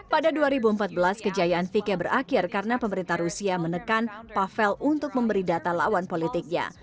pada dua ribu empat belas kejayaan vike berakhir karena pemerintah rusia menekan pavel untuk memberi data lawan politiknya